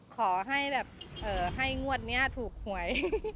ขอให้แบบให้งวดนี้ถูกหวย